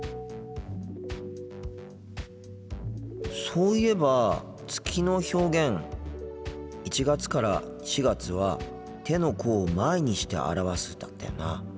そういえば月の表現１月から４月は「手の甲を前にして表す」だったよな。